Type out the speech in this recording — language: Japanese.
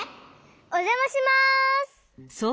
おじゃまします。